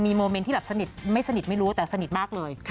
โมเมนต์ที่แบบสนิทไม่สนิทไม่รู้แต่สนิทมากเลย